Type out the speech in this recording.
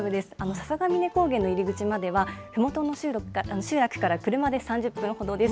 笹ヶ峰高原の入り口までは、ふもとの集落から車で３０分ほどです。